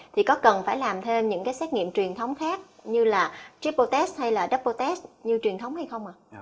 thì có cần phải làm thêm những cái xét nghiệm truyền thống khác như là tripo test hay là dapo test như truyền thống hay không ạ